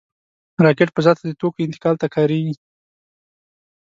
راکټ فضا ته د توکو انتقال ته کارېږي